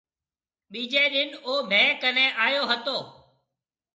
ٻيجَي ڏِن او مهيَ ڪنيَ آيو هتو۔